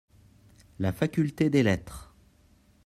La faculté des lettres.